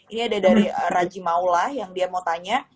ini ada dari raji maula yang dia mau tanya